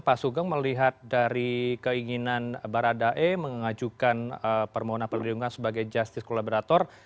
pak sugeng melihat dari keinginan barat dae mengajukan permohonan perlindungan sebagai justice kolaborator